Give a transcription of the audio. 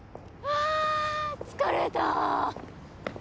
あ疲れた！